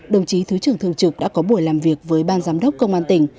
đồng chí thứ trưởng thường trực đã có buổi làm việc với ban giám đốc công an tỉnh